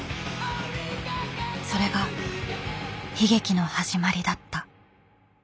それが悲劇の始まりだった。